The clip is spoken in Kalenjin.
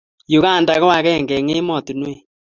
Uganda ko akenge eng emotinwek